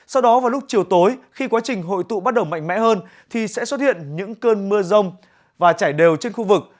sau đó vào lúc chiều tối khi quá trình hội tụ bắt đầu mạnh mẽ hơn thì sẽ xuất hiện những cơn mưa rông và chảy đều trên khu vực